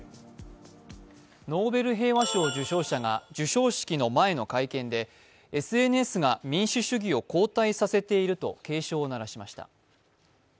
ノーベル平和賞受賞者が授賞式前の会見でＳＮＳが民主主義を後退させていると警鐘を鳴らしました。